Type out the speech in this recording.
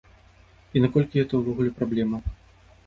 І наколькі гэта ўвогуле праблема?